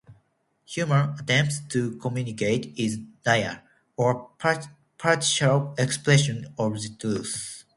Human attempts to communicate is "Naya", or "partial expression of the truth".